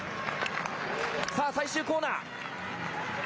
さあ、最終コーナー。